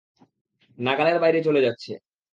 নাগালের বাইরে চলে যাচ্ছে।